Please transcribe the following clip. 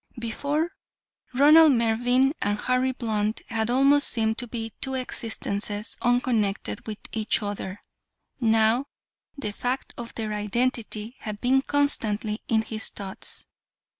Before, Ronald Mervyn and Harry Blunt had almost seemed to be two existences, unconnected with each other; now, the fact of their identity had been constantly in his thoughts.